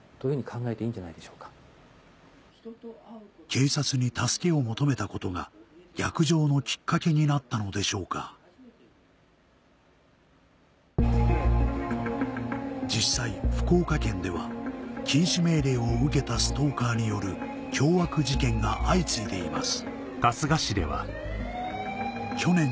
警察に助けを求めたことが逆上のきっかけになったのでしょうか実際福岡県では禁止命令を受けたストーカーによる凶悪事件が相次いでいます